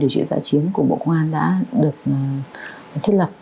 điều trị giã chiến của bộ công an đã được thiết lập